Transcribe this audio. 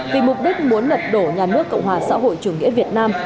vì mục đích muốn lật đổ nhà nước cộng hòa xã hội chủ nghĩa việt nam